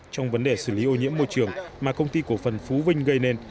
trong vấn đề xử lý ô nhiễm môi trường mà công ty cổ phần phú vinh gây nên